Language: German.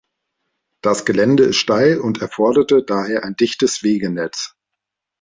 Das Gelände ist steil und erforderte daher ein dichtes Wegenetz.